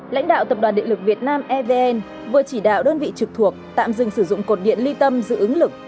lãnh đạo tập đoàn điện lực việt nam evn vừa chỉ đạo đơn vị trực thuộc tạm dừng sử dụng cột điện ly tâm giữ ứng lực